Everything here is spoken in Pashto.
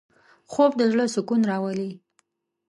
خوب د زړه سکون راولي